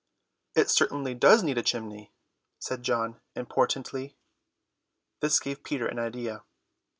"It certainly does need a chimney," said John importantly. This gave Peter an idea.